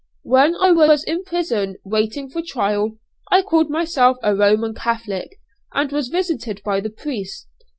When I was in prison, waiting for trial, I called myself a Roman Catholic, and was visited by the priest.